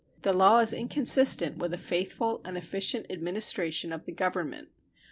The law is inconsistent with a faithful and efficient administration of the Government.